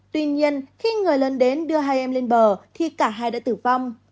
tuy nhiên khi người lớn đến đưa hai em lên bờ thì cả hai đã tử vong